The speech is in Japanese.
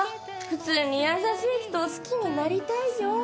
普通に優しい人を好きになりたいよ